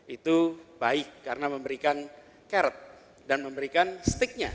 itu baik karena memberikan caret dan memberikan sticknya